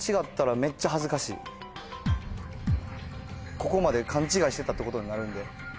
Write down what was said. ここまで勘違いしてたってことになるんで。